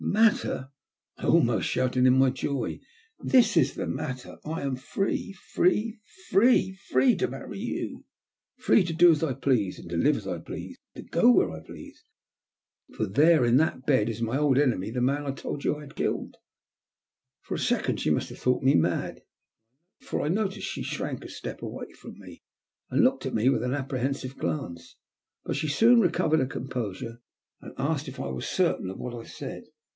•' Matter 1 " I almost shouted in my Joy. " This is the matter. I am free — ^free — ^freel Free to marry you — ^free to do as I please, and live as I please, and go where I please !!! For there in that bed is my old enemy, the man I told you I had killed." For a second she must have thought me mad, for I noticed she shrank a step away from me, and looked at me with an apprehensive glance. But she sooo THE END. 271 recovered her composure, and asked if I were certain of what I said.